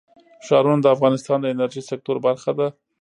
ښارونه د افغانستان د انرژۍ سکتور برخه ده.